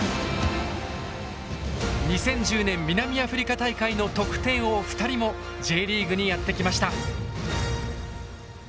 ２０１０年南アフリカ大会の得点王２人もＪリーグにやって来ました。